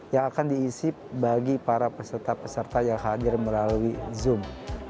yang akan diisi bagi para peserta peserta yang hadir melalui zoom